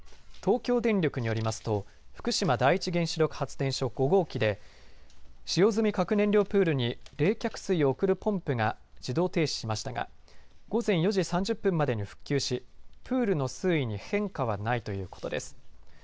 東京電力によりますと福島第一原子力発電所、５号機で使用済み核燃料プールに冷却水を送るポンプが自動停止しましたが午前４時３０分までに復旧しプールの水位に変化はないということです。